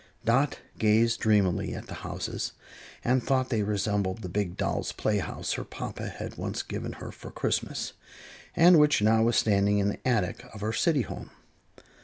Dot gazed dreamily at the houses and thought they resembled the big doll's playhouse her papa had once given her for Christmas, and which now was standing in the attic of her city home.